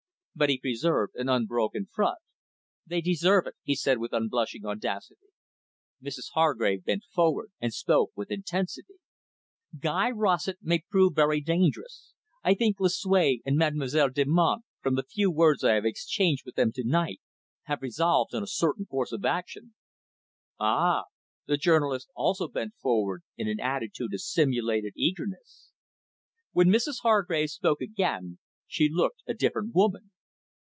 But he preserved an unbroken front. "They deserve it," he said, with unblushing audacity. Mrs Hargrave bent forward, and spoke with intensity. "Guy Rossett may prove very dangerous. I think Lucue and Mademoiselle Delmonte, from the few words I have exchanged with them to night, have resolved on a certain course of action." "Ah!" The journalist also bent forward, in an attitude of simulated eagerness. When Mrs Hargrave spoke again, she looked a different woman.